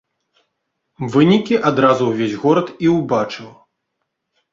Вынікі адразу ўвесь горад і ўбачыў.